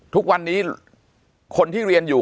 ทุกวันนี้คนที่เรียนอยู่